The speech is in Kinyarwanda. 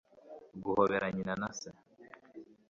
guhobera nyina na se